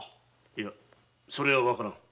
いやそれは分からぬ。